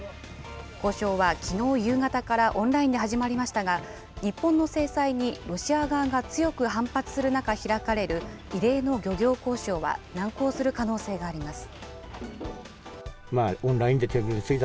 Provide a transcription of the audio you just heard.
交渉はきのう夕方からオンラインで始まりましたが、日本の制裁に、ロシア側が強く反発する中、開かれる異例の漁業交渉は難航する可能性があります。